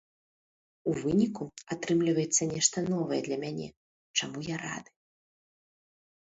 У выніку атрымліваецца нешта новае для мяне, чаму я рады.